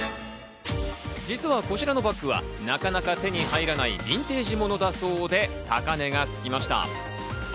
実はこちらのバッグはなかなか手に入らないビンテージものだそうで、高値がつきました。